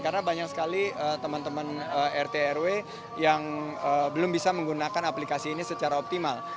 karena banyak sekali teman teman rtrw yang belum bisa menggunakan aplikasi ini secara optimal